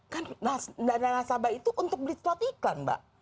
kan dana nasabah itu untuk beli slot iklan mbak